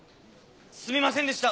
すみませんでした！